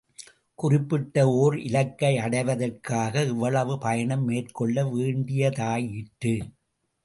குறிப்பிட்ட ஓர் இலக்கை அடைவதற்காக இவ்வளவு பயணம் மேற்கொள்ள வேண்டியதாயிற்று.